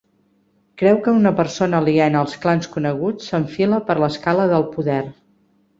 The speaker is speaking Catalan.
Creu que una persona aliena als clans coneguts s'enfila per l'escala del poder.